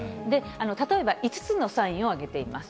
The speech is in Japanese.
例えば５つのサインを挙げています。